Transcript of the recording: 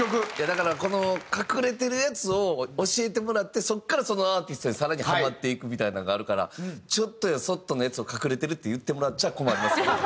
だからこの隠れてるやつを教えてもらってそこからそのアーティストに更にハマっていくみたいなんがあるからちょっとやそっとのやつを「隠れてる」って言ってもらっちゃ困りますよ。